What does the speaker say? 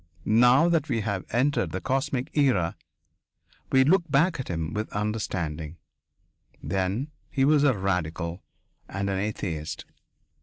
Now that we have entered the cosmic era, we look back at him with understanding. Then, he was a radical and an atheist.